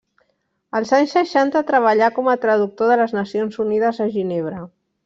Els anys seixanta treballà com a traductor de les Nacions Unides a Ginebra.